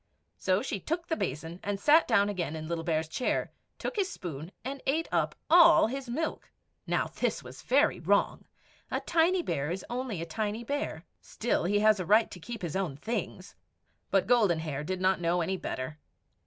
So she took the basin and sat down again in Little Bear's chair, took his spoon, and ate up all his milk. Now this was very wrong. A tiny bear is only a tiny bear; still, he has a right to keep his own things. But Golden Hair did not know any better.